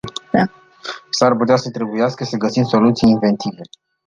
S-ar putea să trebuiască să găsim soluții inventive.